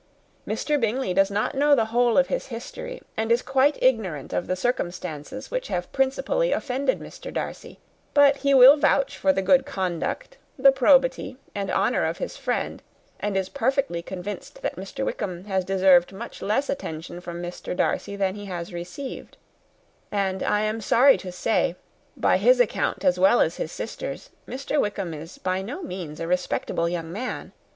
Mr. Bingley does not know the whole of his history, and is quite ignorant of the circumstances which have principally offended Mr. Darcy; but he will vouch for the good conduct, the probity and honour, of his friend, and is perfectly convinced that Mr. Wickham has deserved much less attention from Mr. Darcy than he has received; and I am sorry to say that by his account, as well as his sister's, Mr. Wickham is by no means a respectable young man.